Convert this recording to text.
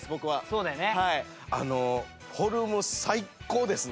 そうだよね。